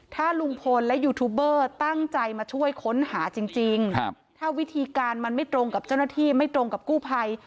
ถ้าลุงพลและยูทูบเบอร์ตั้งใจมาช่วยค้นหาจริงถ้าวิธีการมันไม่ตรงกับเจ้าหน้าที่ไม่ตรงกับกู้ภัย